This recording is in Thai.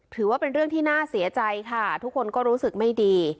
ถือว่าเป็นเรื่องที่น่าเสียใจค่ะทุกคนก็รู้สึกไม่ดี